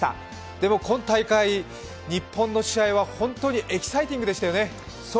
でも今大会、日本の試合は本当にエキサイティングでしたよね。